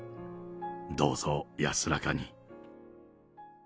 どうぞ安らかに。